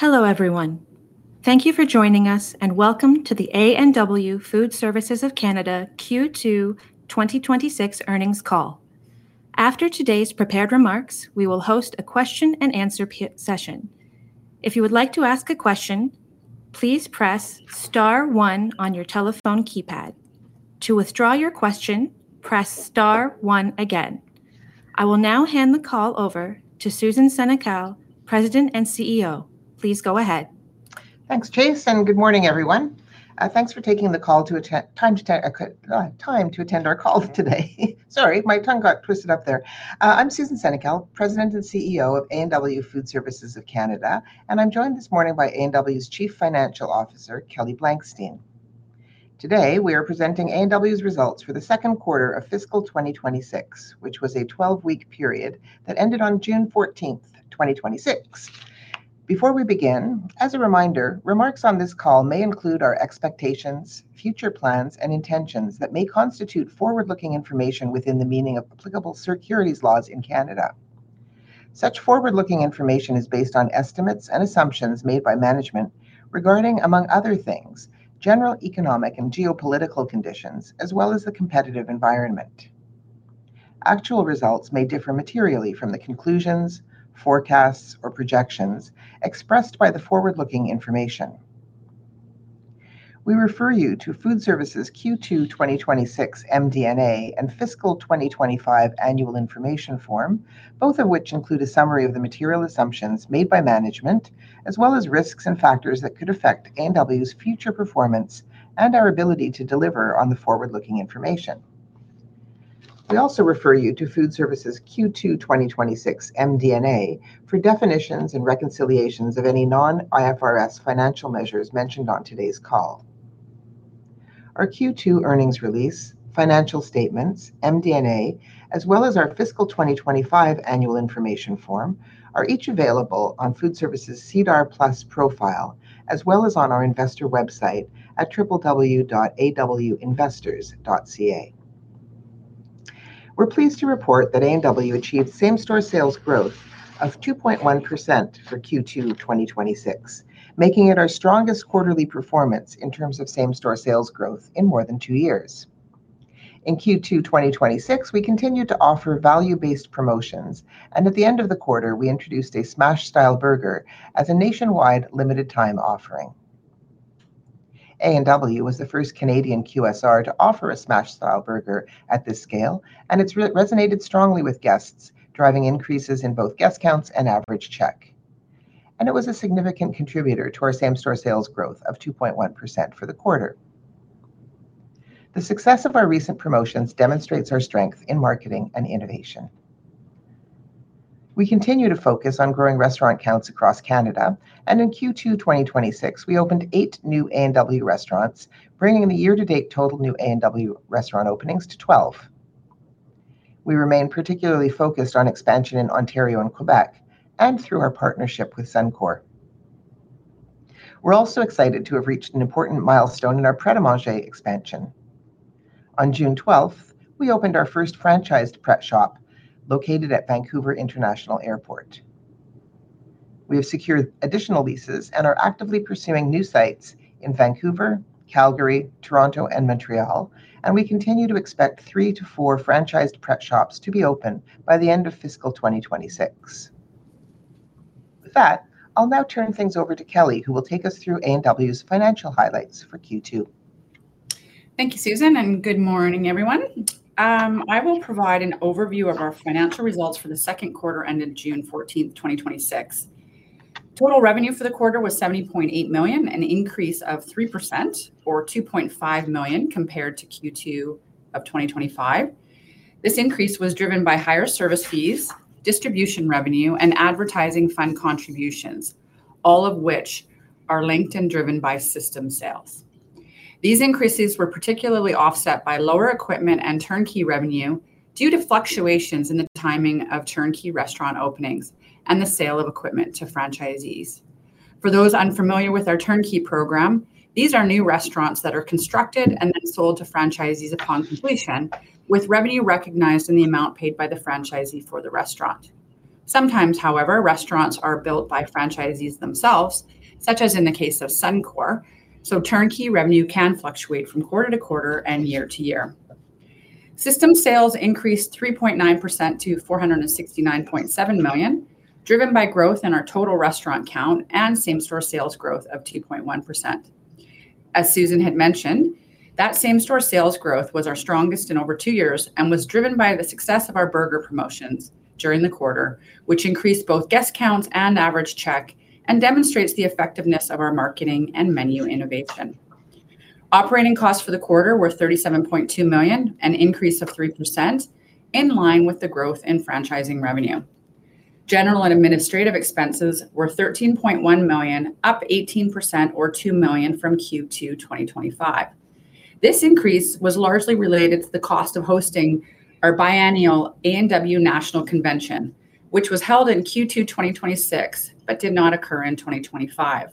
Hello, everyone. Thank you for joining us, and welcome to the A&W Food Services of Canada Q2 2026 earnings call. After today's prepared remarks, we will host a question and answer session. If you would like to ask a question, please press star one on your telephone keypad. To withdraw your question, press star one again. I will now hand the call over to Susan Senecal, President and CEO. Please go ahead. Thanks, Chase, and good morning, everyone. Thanks for taking the time to attend our call today. Sorry, my tongue got twisted up there. I'm Susan Senecal, President and CEO of A&W Food Services of Canada, and I'm joined this morning by A&W's Chief Financial Officer, Kelly Blankstein. Today, we are presenting A&W's results for the Q2 of fiscal 2026, which was a 12-week period that ended on June 14th, 2026. Before we begin, as a reminder, remarks on this call may include our expectations, future plans, and intentions that may constitute forward-looking information within the meaning of applicable securities laws in Canada. Such forward-looking information is based on estimates and assumptions made by management regarding, among other things, general economic and geopolitical conditions, as well as the competitive environment. Actual results may differ materially from the conclusions, forecasts, or projections expressed by the forward-looking information. We refer you to Food Services' Q2 2026 MD&A and fiscal 2025 annual information form, both of which include a summary of the material assumptions made by management, as well as risks and factors that could affect A&W's future performance and our ability to deliver on the forward-looking information. We also refer you to Food Services Q2 2026 MD&A for definitions and reconciliations of any non-IFRS financial measures mentioned on today's call. Our Q2 earnings release, financial statements, MD&A, as well as our fiscal 2025 annual information form, are each available on Food Services' SEDAR+ profile, as well as on our investor website at www.awinvestors.ca. We're pleased to report that A&W achieved same-store sales growth of 2.1% for Q2 2026, making it our strongest quarterly performance in terms of same-store sales growth in more than two years. In Q2 2026, we continued to offer value-based promotions, and at the end of the quarter, we introduced a smash-style burger as a nationwide limited time offering. A&W was the first Canadian QSR to offer a smash-style burger at this scale, and it's resonated strongly with guests, driving increases in both guest counts and average check. It was a significant contributor to our same-store sales growth of 2.1% for the quarter. The success of our recent promotions demonstrates our strength in marketing and innovation. We continue to focus on growing restaurant counts across Canada, and in Q2 2026, we opened eight new A&W restaurants, bringing the year-to-date total new A&W restaurant openings to 12. We remain particularly focused on expansion in Ontario and Quebec, and through our partnership with Suncor. We're also excited to have reached an important milestone in our Pret A Manger expansion. On June 12th, we opened our first franchised Pret shop located at Vancouver International Airport. We have secured additional leases and are actively pursuing new sites in Vancouver, Calgary, Toronto, and Montreal. We continue to expect three to four franchised Pret shops to be open by the end of fiscal 2026. With that, I will now turn things over to Kelly, who will take us through A&W's financial highlights for Q2. Thank you, Susan, and good morning, everyone. I will provide an overview of our financial results for the Q2 ending June 14th, 2026. Total revenue for the quarter was 70.8 million, an increase of 3%, or 2.5 million compared to Q2 of 2025. This increase was driven by higher service fees, distribution revenue, and advertising fund contributions, all of which are linked and driven by system sales. These increases were partially offset by lower equipment and turnkey revenue due to fluctuations in the timing of turnkey restaurant openings and the sale of equipment to franchisees. For those unfamiliar with our turnkey program, these are new restaurants that are constructed and then sold to franchisees upon completion, with revenue recognized in the amount paid by the franchisee for the restaurant. Sometimes, however, restaurants are built by franchisees themselves, such as in the case of Suncor. Turnkey revenue can fluctuate from quarter-to-quarter and year-to-year. System sales increased 3.9% to 469.7 million, driven by growth in our total restaurant count and same-store sales growth of 2.1%. As Susan had mentioned, that same-store sales growth was our strongest in over two years and was driven by the success of our burger promotions during the quarter, which increased both guest counts and average check and demonstrates the effectiveness of our marketing and menu innovation. Operating costs for the quarter were 37.2 million, an increase of 3%, in line with the growth in franchising revenue. General and administrative expenses were 13.1 million, up 18%, or 2 million from Q2 2025. This increase was largely related to the cost of hosting our biannual A&W National Convention, which was held in Q2 2026 but did not occur in 2025,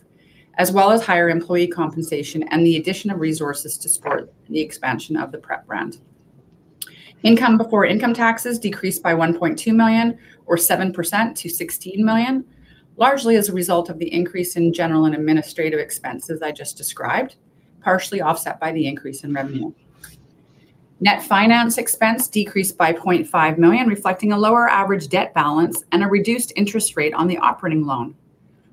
as well as higher employee compensation and the addition of resources to support the expansion of the Pret brand. Income before income taxes decreased by 1.2 million, or 7%, to 16 million, largely as a result of the increase in general and administrative expenses I just described, partially offset by the increase in revenue. Net finance expense decreased by 0.5 million, reflecting a lower average debt balance and a reduced interest rate on the operating loan.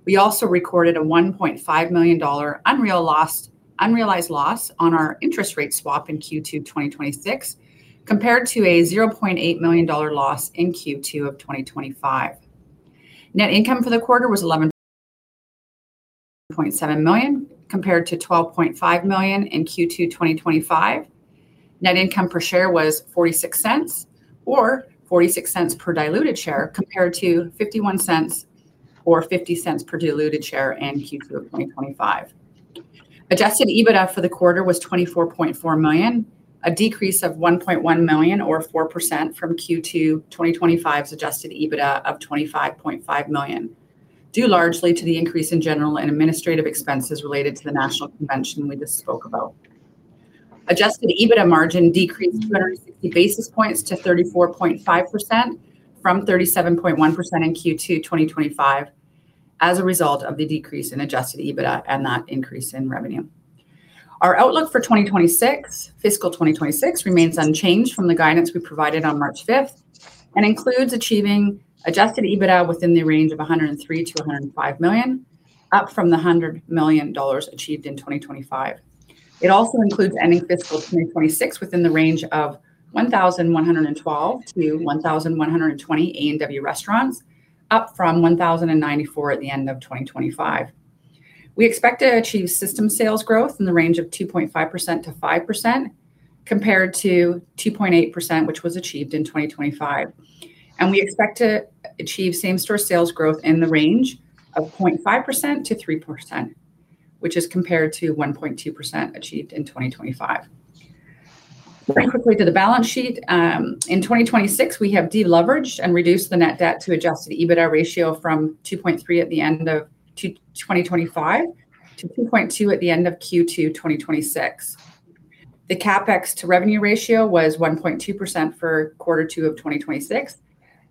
We also recorded a 1.5 million dollar unrealized loss on our interest rate swap in Q2 2026, compared to a 0.8 million dollar loss in Q2 of 2025. Net income for the quarter was 11.7 million, compared to 12.5 million in Q2 2025. Net income per share was 0.46, or 0.46 per diluted share, compared to 0.51, or 0.50 per diluted share in Q2 2025. Adjusted EBITDA for the quarter was 24.4 million, a decrease of 1.1 million or 4% from Q2 2025's Adjusted EBITDA of 25.5 million, due largely to the increase in general and administrative expenses related to the national convention we just spoke about. Adjusted EBITDA margin decreased 260 basis points to 34.5%, from 37.1% in Q2 2025, as a result of the decrease in Adjusted EBITDA and that increase in revenue. Our outlook for fiscal 2026 remains unchanged from the guidance we provided on March 5th, and includes achieving Adjusted EBITDA within the range of 103 million-105 million, up from the 100 million dollars achieved in 2025. It also includes ending fiscal 2026 within the range of 1,112-1,120 A&W restaurants, up from 1,094 at the end of 2025. We expect to achieve system sales growth in the range of 2.5%-5%, compared to 2.8%, which was achieved in 2025. We expect to achieve same store sales growth in the range of 0.5%-3%, which is compared to 1.2% achieved in 2025. Very quickly to the balance sheet. In 2026, we have deleveraged and reduced the net debt to Adjusted EBITDA ratio from 2.3 at the end of 2025 to 2.2 at the end of Q2 2026. The CapEx to revenue ratio was 1.2% for Q2 2026,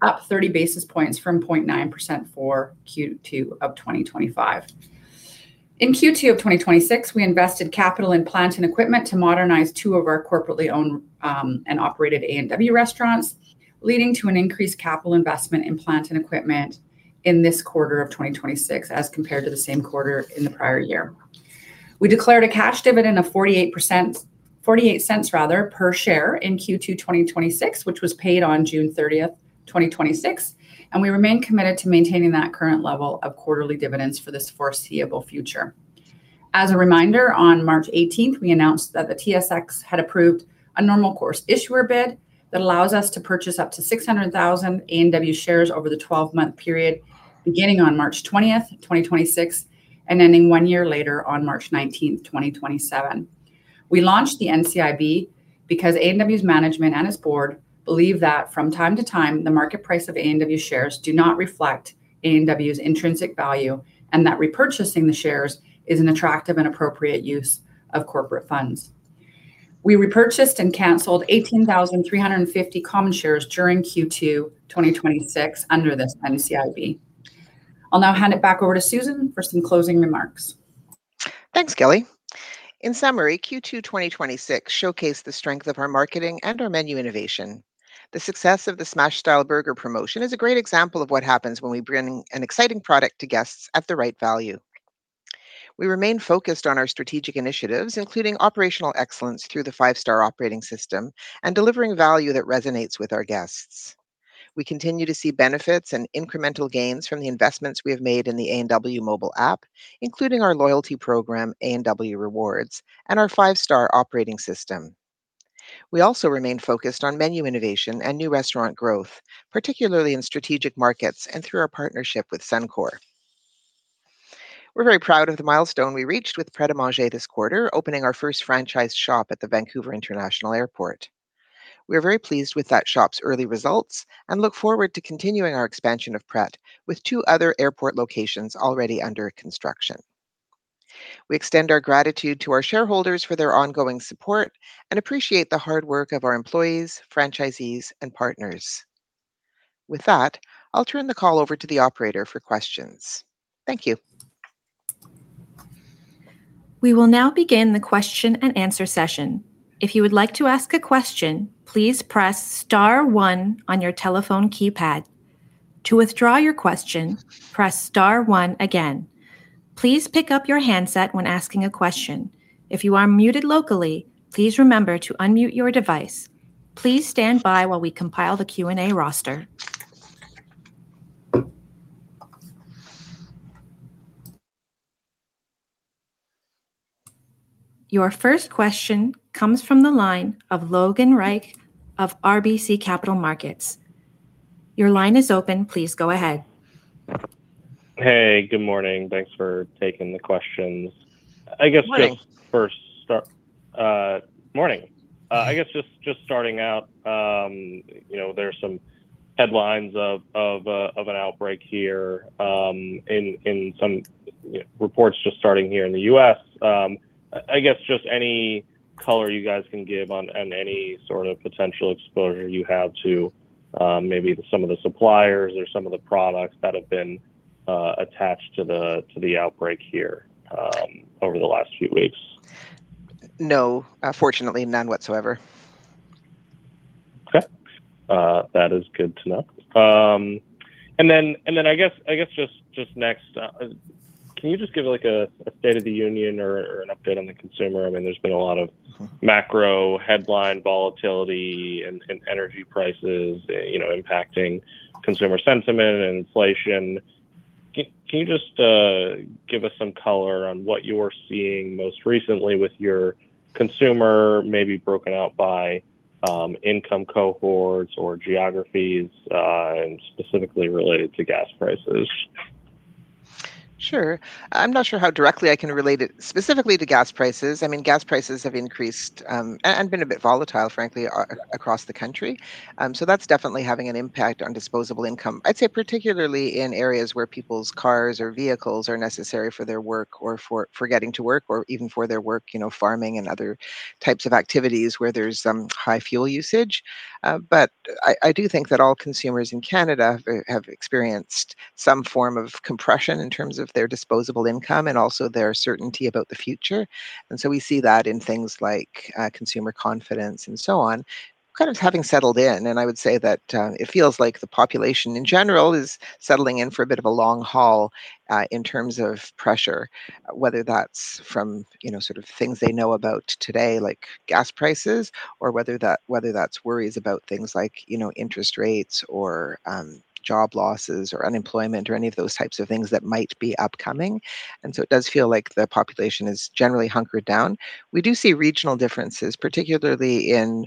up 30 basis points from 0.9% for Q2 2025. In Q2 2026, we invested capital in plant and equipment to modernize two of our corporately owned, and operated A&W restaurants, leading to an increased capital investment in plant and equipment in this quarter of 2026 as compared to the same quarter in the prior year. We declared a cash dividend of 0.48, rather, per share in Q2 2026, which was paid on June 30th, 2026, and we remain committed to maintaining that current level of quarterly dividends for this foreseeable future. As a reminder, on March 18th, we announced that the TSX had approved a normal course issuer bid that allows us to purchase up to 600,000 A&W shares over the 12-month period beginning on March 20th, 2026, and ending one year later on March 19th, 2027. We launched the NCIB because A&W's management and its board believe that from time to time, the market price of A&W shares do not reflect A&W's intrinsic value, and that repurchasing the shares is an attractive and appropriate use of corporate funds. We repurchased and canceled 18,350 common shares during Q2 2026 under this NCIB. I'll now hand it back over to Susan for some closing remarks. Thanks, Kelly. In summary, Q2 2026 showcased the strength of our marketing and our menu innovation. The success of the A&W Smash Burger promotion is a great example of what happens when we bring an exciting product to guests at the right value. We remain focused on our strategic initiatives, including operational excellence through the five-star operating system and delivering value that resonates with our guests. We continue to see benefits and incremental gains from the investments we have made in the A&W mobile app, including our loyalty program, A&W Rewards, and our five-star operating system. We also remain focused on menu innovation and new restaurant growth, particularly in strategic markets and through our partnership with Suncor. We are very proud of the milestone we reached with Pret A Manger this quarter, opening our first franchise shop at the Vancouver International Airport. We are very pleased with that shop's early results and look forward to continuing our expansion of Pret, with two other airport locations already under construction. We extend our gratitude to our shareholders for their ongoing support and appreciate the hard work of our employees, franchisees, and partners. With that, I will turn the call over to the operator for questions. Thank you. We will now begin the question and answer session. If you would like to ask a question, please press star one on your telephone keypad. To withdraw your question, press star one again. Please pick up your handset when asking a question. If you are muted locally, please remember to unmute your device. Please stand by while we compile the Q&A roster. Your first question comes from the line of Logan Reich of RBC Capital Markets. Your line is open. Please go ahead. Hey, good morning. Thanks for taking the questions. Morning. Morning. Starting out, there's some headlines of an outbreak here in some reports just starting here in the U.S. Any color you guys can give on any sort of potential exposure you have to maybe some of the suppliers or some of the products that have been attached to the outbreak here over the last few weeks. No, fortunately, none whatsoever. Okay. That is good to know. Next, can you just give a state of the union or an update on the consumer? There's been a lot of macro headline volatility in energy prices impacting consumer sentiment and inflation. Can you just give us some color on what you're seeing most recently with your consumer, maybe broken out by income cohorts or geographies, and specifically related to gas prices? Sure. I'm not sure how directly I can relate it specifically to gas prices. Gas prices have increased, and been a bit volatile, frankly, across the country. That's definitely having an impact on disposable income. I'd say particularly in areas where people's cars or vehicles are necessary for their work or for getting to work, or even for their work, farming and other types of activities where there's high fuel usage. I do think that all consumers in Canada have experienced some form of compression in terms of their disposable income and also their certainty about the future. We see that in things like consumer confidence and so on, kind of having settled in. I would say that it feels like the population, in general, is settling in for a bit of a long haul in terms of pressure, whether that's from things they know about today, like gas prices, or whether that's worries about things like interest rates, or job losses, or unemployment, or any of those types of things that might be upcoming. It does feel like the population is generally hunkered down. We do see regional differences, particularly in,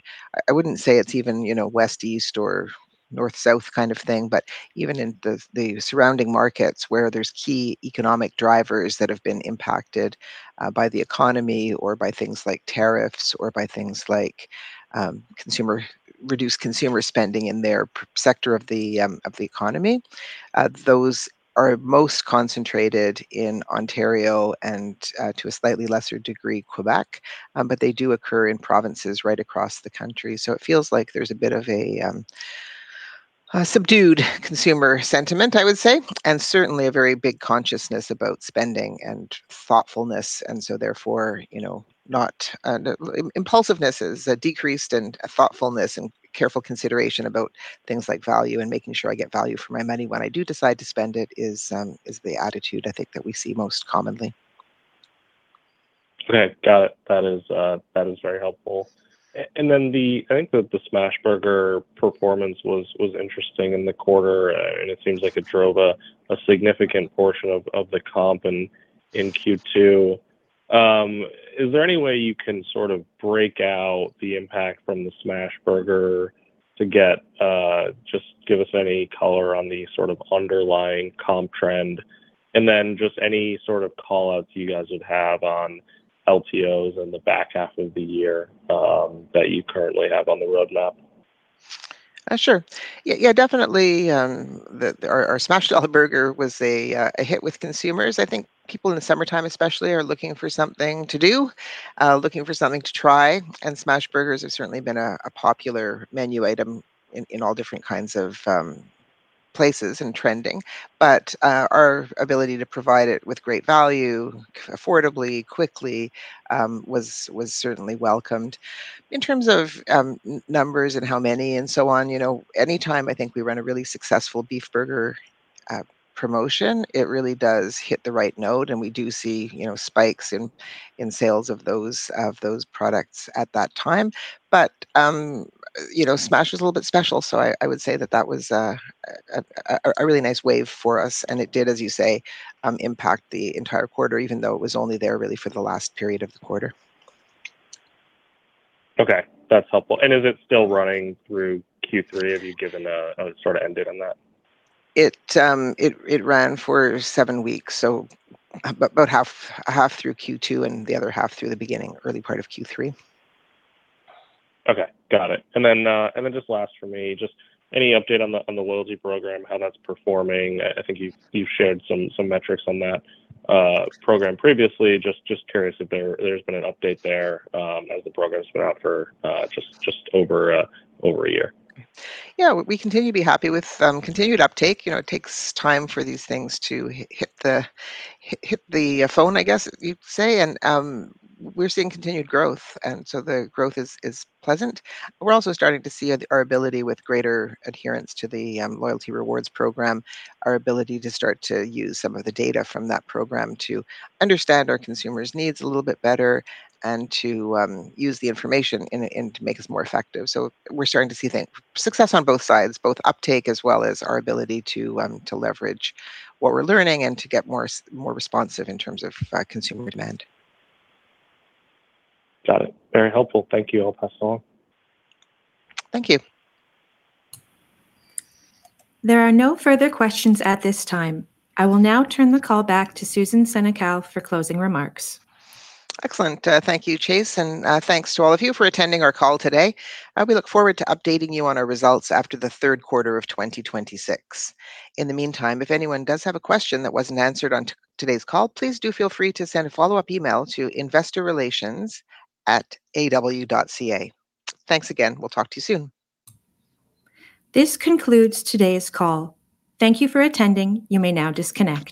I wouldn't say it's even west, east, or north, south kind of thing, but even in the surrounding markets where there's key economic drivers that have been impacted by the economy, or by things like tariffs, or by things like reduced consumer spending in their sector of the economy. Those are most concentrated in Ontario, and to a slightly lesser degree, Quebec, but they do occur in provinces right across the country. It feels like there's a bit of a subdued consumer sentiment, I would say. Certainly a very big consciousness about spending and thoughtfulness, therefore, impulsiveness is decreased, and thoughtfulness and careful consideration about things like value and making sure I get value for my money when I do decide to spend it, is the attitude I think that we see most commonly. Okay. Got it. That is very helpful. I think that the smash burger performance was interesting in the quarter, it seems like it drove a significant portion of the comp in Q2. Is there any way you can break out the impact from the smash burger to just give us any color on the underlying comp trend? Just any sort of call-outs you guys would have on LTOs in the back half of the year that you currently have on the roadmap. Sure. Yeah, definitely. Our smash burger was a hit with consumers. I think people in the summertime especially are looking for something to do, looking for something to try, smash burgers have certainly been a popular menu item in all different kinds of places and trending. Our ability to provide it with great value, affordably, quickly, was certainly welcomed. In terms of numbers and how many and so on, any time I think we run a really successful beef burger promotion, it really does hit the right note, we do see spikes in sales of those products at that time. Smash was a little bit special, I would say that that was a really nice wave for us, it did, as you say, impact the entire quarter, even though it was only there really for the last period of the quarter. Okay, that's helpful. Is it still running through Q3? Have you given an end date on that? It ran for seven weeks, so about half through Q2 and the other half through the beginning, early part of Q3. Okay, got it. Just last for me, just any update on the loyalty program, how that's performing? I think you've shared some metrics on that program previously. Just curious if there's been an update there, as the program's been out for just over a year. Yeah. We continue to be happy with continued uptake. It takes time for these things to hit the phone, I guess you'd say. We're seeing continued growth, and so the growth is pleasant. We're also starting to see our ability with greater adherence to the loyalty rewards program, our ability to start to use some of the data from that program to understand our consumers' needs a little bit better, and to use the information, and to make us more effective. We're starting to see success on both sides, both uptake as well as our ability to leverage what we're learning and to get more responsive in terms of consumer demand. Got it. Very helpful. Thank you, I'll pass it on. Thank you. There are no further questions at this time. I will now turn the call back to Susan Senecal for closing remarks. Excellent. Thank you, Chase, and thanks to all of you for attending our call today. We look forward to updating you on our results after the Q3 of 2026. In the meantime, if anyone does have a question that wasn't answered on today's call, please do feel free to send a follow-up email to investorrelations@aw.ca. Thanks again. We'll talk to you soon. This concludes today's call. Thank you for attending. You may now disconnect.